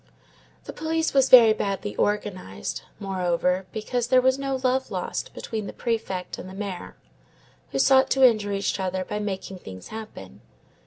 The police was very badly organized, moreover, because there was no love lost between the Prefect and the Mayor, who sought to injure each other by making things happen.